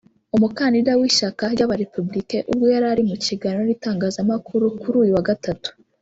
umukandida w’ishyaka ry’aba Républicains ubwo yari mu kiganiro n’itangazamakuru kuri uyu wa gatatu